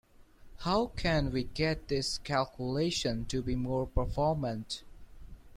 How can we get this calculation to be more performant?